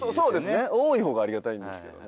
多い方がありがたいんですけどね。